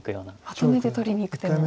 まとめて取りにいく手も。